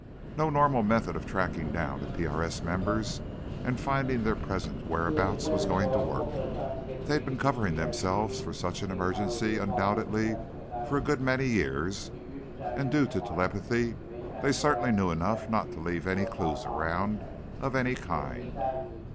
No normal method of tracking down the PRS members, and finding their present whereabouts, was going to work. They'd been covering themselves for such an emergency, undoubtedly, for a good many years and, due to telepathy, they certainly knew enough not to leave any clues around, of any kind.